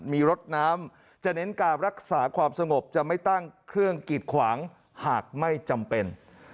มีรถน้ำจะเน้นการรักษาความสงบจะไม่ตั้งเครื่องกิดขวางหากไม่จำเป็น